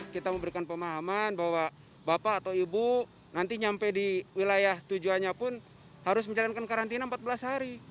kita memberikan pemahaman bahwa bapak atau ibu nanti nyampe di wilayah tujuannya pun harus menjalankan karantina empat belas hari